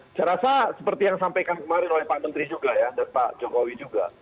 saya rasa seperti yang disampaikan kemarin oleh pak menteri juga ya dan pak jokowi juga